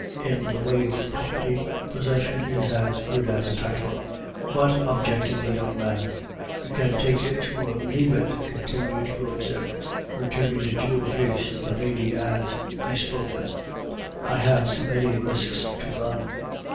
'In the way of property, possession is as good as a title.' "'But ' objected the young man. "'You can take it or leave it,' continued Gobseck, returning the jewel case to the lady as he spoke. "'I have too many risks to run.